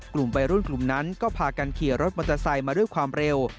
กลุ่มวัยรุ่นกลุ่มนั้นก็พากันขี่รถมอเตอร์ไซค์มาด้วยความเร็ว